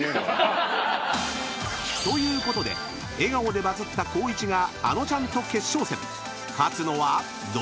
［ということで笑顔でバズった光一があのちゃんと決勝戦］